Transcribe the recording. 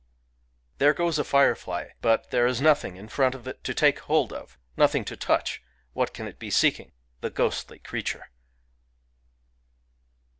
There goes a firefly ! but there is nothing in front of it to take hold of [nothing to touch : what can it be seek X ing — the ghostly creature